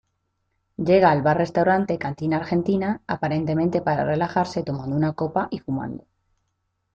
Llega al bar-restaurante "Cantina Argentina", aparentemente para relajarse tomando una copa y fumando.